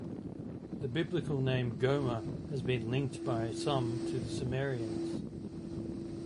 The Biblical name "Gomer" has been linked by some to the Cimmerians.